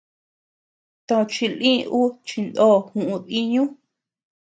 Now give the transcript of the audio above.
Tochi lï ú chindo juʼu diñu.